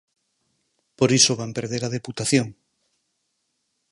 Por iso van perder a Deputación.